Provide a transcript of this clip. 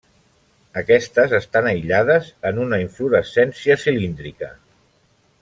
Aquestes estan aïllades en una inflorescència cilíndrica.